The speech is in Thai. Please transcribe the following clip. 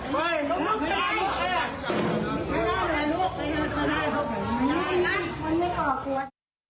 ไม่ได้ไม่ได้ไม่ได้